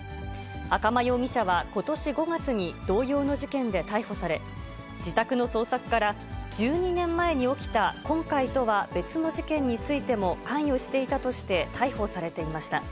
赤間容疑者はことし５月に同様の事件で逮捕され、自宅の捜索から、１２年前に起きた今回とは別の事件についても関与していたとして逮捕されていました。